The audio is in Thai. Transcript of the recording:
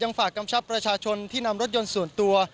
ฝากกำชับประชาชนที่นำรถยนต์ส่วนตัว